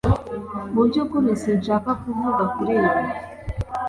Mu byukuri sinshaka kuvuga kuri ibi